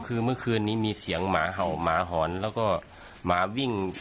คือเมื่อคืนนี้มีเสียงหมาเห่าหมาหอนแล้วก็หมาวิ่ง